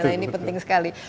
nah ini penting sekali